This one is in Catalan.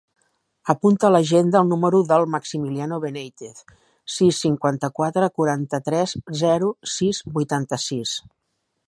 Apunta a l'agenda el número del Maximiliano Beneitez: sis, cinquanta-quatre, quaranta-tres, zero, sis, vuitanta-sis.